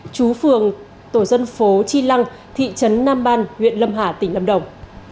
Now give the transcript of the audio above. chú phường tổ dân phố chi lăng thị trấn nam ban huyện lâm hà tỉnh lâm đồng